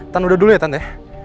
tana udah dulu ya tante